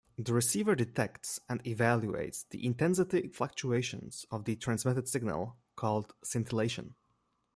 The receiver detects and evaluates the intensity fluctuations of the transmitted signal, called scintillation.